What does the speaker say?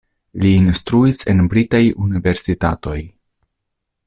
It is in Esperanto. Li instruis en britaj universitatoj.